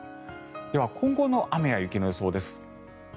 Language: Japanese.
では今後の雨や雪の予想です。